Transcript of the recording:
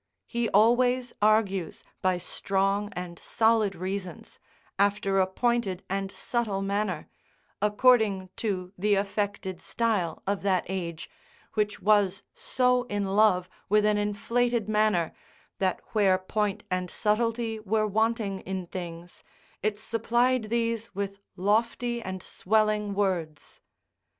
He always argues by strong and solid reasons, after a pointed and subtle manner, according to the affected style of that age, which was so in love with an inflated manner, that where point and subtlety were wanting in things it supplied these with lofty and swelling words.